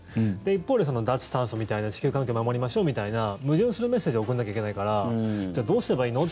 一方で脱炭素みたいな地球環境守りましょうみたいな矛盾するメッセージを送らなきゃいけないからじゃあどうすればいいの？